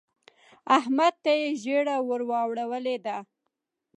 احمد ته يې ژیړه ور واړولې ده.